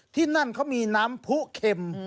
ที่นั่นเขามีน้ำผู้เข็ม